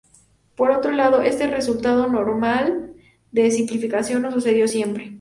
Por otro lado, este resultado normal de simplificación no sucedió siempre.